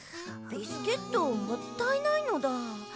ビスケットもったいないのだ。